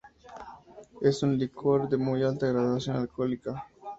Es un licor de muy alta graduación alcohólica.